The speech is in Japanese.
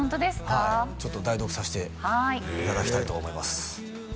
はいちょっと代読させていただきたいと思います